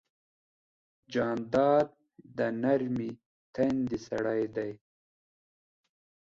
جانداد د نرمې تندې سړی دی.